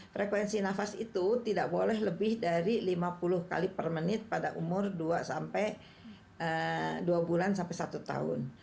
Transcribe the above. frekuensi nafas itu tidak boleh lebih dari lima puluh kali per menit pada umur dua sampai tiga tahun